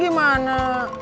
gak usah lah ya